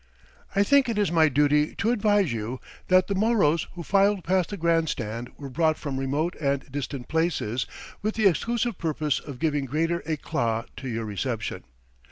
"I think it is my duty to advise you that the Moros who filed past the grandstand were brought from remote and distant places with the exclusive purpose of giving greater éclat to your reception.